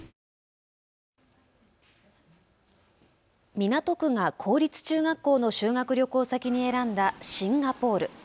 港区が公立中学校の修学旅行先に選んたシンガポール。